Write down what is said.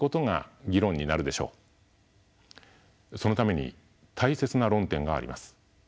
そのために大切な論点があります。